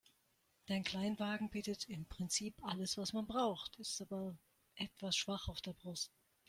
Dein Kleinwagen bietet im Prinzip alles, was man braucht, ist aber etwas schwach auf der Brust.